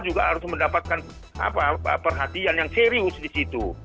juga harus mendapatkan perhatian yang serius di situ